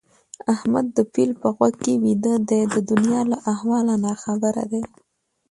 احمد د پيل په غوږ کې ويده دی؛ د دونيا له احواله ناخبره دي.